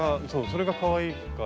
それがかわいいから。